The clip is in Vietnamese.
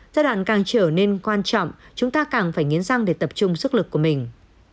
giai đoạn càng trở nên quan trọng chúng ta càng phải nghiến răng để tập trung sức lực của mình